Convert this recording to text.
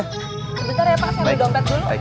sebentar ya pak saya berdompet dulu